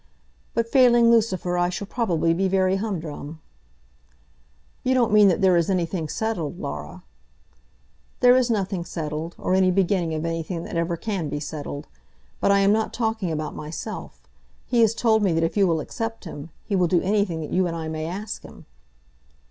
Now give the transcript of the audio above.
"But failing Lucifer, I shall probably be very humdrum." "You don't mean that there is anything settled, Laura?" "There is nothing settled, or any beginning of anything that ever can be settled, But I am not talking about myself. He has told me that if you will accept him, he will do anything that you and I may ask him."